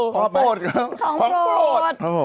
ของโปรดครับ